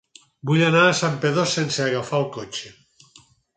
Vull anar a Santpedor sense agafar el cotxe.